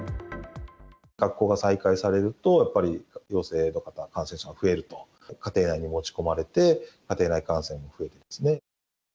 学校が再開されると、やっぱり、陽性の方、感染者が増えると、家庭内に持ち込まれて、家庭内感染が増えると。